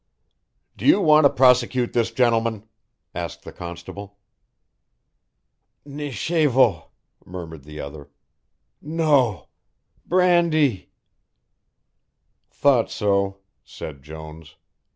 "Do you want to prosecute this gentleman?" asked the constable. "Nichévo," murmured the other. "No. Brandee." "Thought so," said Jones.